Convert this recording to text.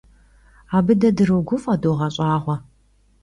Abı de droguf'e, doğeş'ağue.